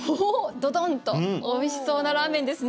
ドドンとおいしそうなラーメンですね。